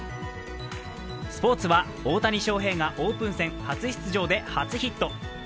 スポーツは大谷翔平がオープン戦初出場で初ヒット。